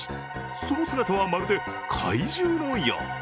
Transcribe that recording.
その姿は、まるで怪獣のよう。